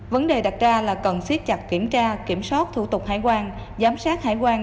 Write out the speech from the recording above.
vấn đề đặt ra là cần siết chặt kiểm tra kiểm soát thủ tục hải quan giám sát hải quan